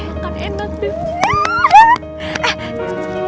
makan enak tuh